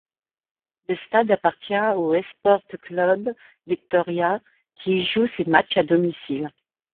Le stade appartient au Esporte Clube Vitória, qui y joue ses matchs à domicile.